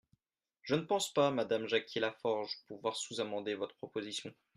Je ne pense pas, madame Jacquier-Laforge, pouvoir sous-amender votre proposition.